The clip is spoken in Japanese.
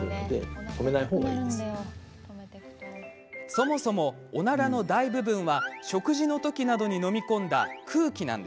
そもそも、おならの大部分は食事の時などに飲み込んだ空気。